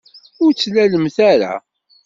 Ur ttnalemt ara.